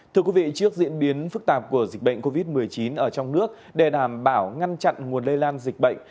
thưa quý vị trước diễn biến phức tạp của dịch bệnh covid một mươi chín ở trong nước để đảm bảo ngăn chặn nguồn lây lan dịch bệnh